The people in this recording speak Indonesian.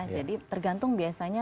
jadi tergantung biasanya